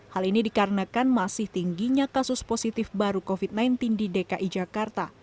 hal ini dikarenakan masih tingginya kasus positif baru covid sembilan belas di dki jakarta